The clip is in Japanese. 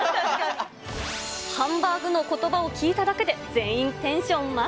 ハンバーグのことばを聞いただけで、全員、テンションＭＡＸ。